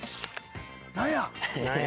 何や？